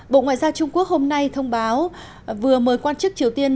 bộ ngoại giao trung quốc hôm nay thông báo vừa mời quan chức triều tiên